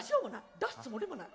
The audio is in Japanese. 出すつもりもない。